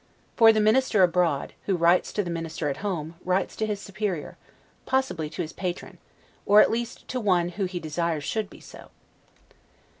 For the minister abroad, who writes to the minister at home, writes to his superior; possibly to his patron, or at least to one who he desires should be so.